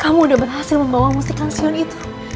kamu sudah berhasil membawa mustikasyon itu